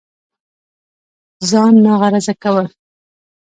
ځان ناغرضه كول